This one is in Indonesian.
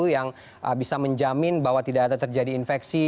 yang bisa menjamin bahwa tidak ada terjadi infeksi